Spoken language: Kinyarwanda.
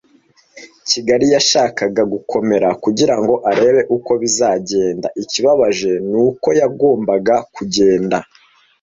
kigeli yashakaga gukomera kugirango arebe uko bizagenda. Ikibabaje ni uko yagombaga kugenda.